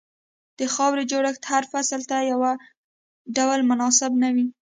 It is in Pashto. د خاورې جوړښت هر فصل ته یو ډول مناسب نه وي.